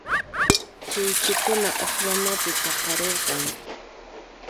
Chiwchiykuna uqllanapi paqarirqan.